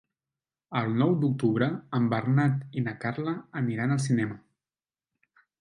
El nou d'octubre en Bernat i na Carla aniran al cinema.